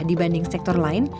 dibanding sektor lain